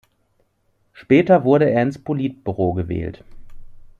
Später wurde er ins Politbüro gewählt.